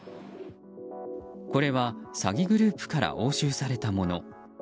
これは詐欺グループから押収されたもの。